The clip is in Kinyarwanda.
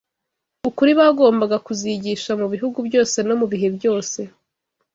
ukuri bagombaga kuzigisha mu bihugu byose no mu bihe byose.